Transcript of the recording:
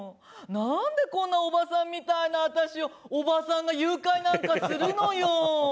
なんでこんなおばさんみたいな私をおばさんが誘拐なんかするのよ。